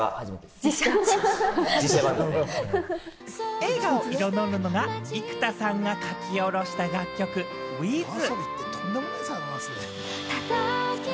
映画を彩るのが幾田さんが書き下ろした楽曲『Ｗｉｔｈ』。